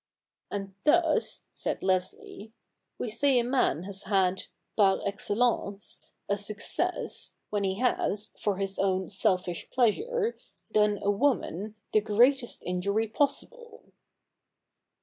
' And thus,' said Leslie, ' we say a man has had, pai excellence, a success, when he has, for his own selfish pleasure, done a woman the greatest injury possible.'